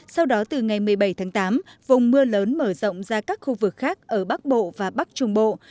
sau đó từ ngày một mươi bảy tháng tám vùng mưa lớn mở rộng ra các khu vực khác ở bắc bộ và bắc trung bộ